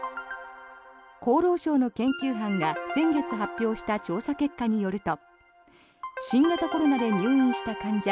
厚労省の研究班が先月発表した調査結果によると新型コロナで入院した患者